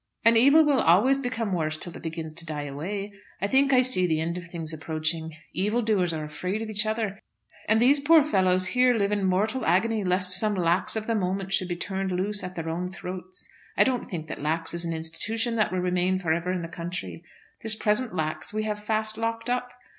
"An evil will always become worse till it begins to die away. I think I see the end of things approaching. Evil doers are afraid of each other, and these poor fellows here live in mortal agony lest some Lax of the moment should be turned loose at their own throats. I don't think that Lax is an institution that will remain for ever in the country. This present Lax we have fast locked up.